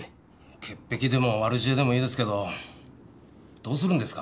潔癖でも悪知恵でもいいですけどどうするんですか？